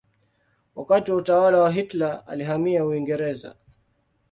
Wakati wa utawala wa Hitler alihamia Uingereza.